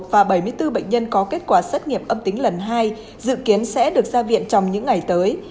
và bảy mươi bốn bệnh nhân có kết quả xét nghiệm âm tính lần hai dự kiến sẽ được ra viện trong những ngày tới